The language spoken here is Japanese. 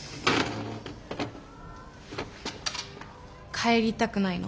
帰りたくないの？